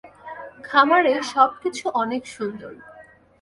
খামারে সবকিছু অনেক সুন্দর।